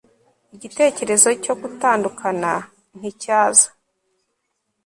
igitekerezo cyo gutandukana nticyaza